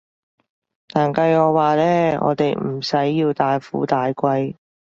但計我話呢，我哋唔使要大富大貴